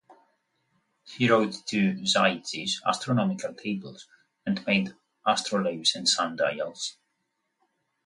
He wrote two "zij"es (astronomical tables) and made astrolabes and sundials.